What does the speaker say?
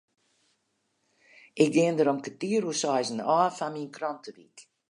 Ik gean der om kertier oer seizen ôf foar myn krantewyk.